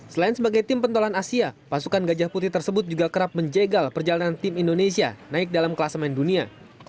selain sebagai tim pentolan asia pasukan gajah putih tersebut juga kerap menjegal perjalanan tim indonesia naik dalam kelas main dunia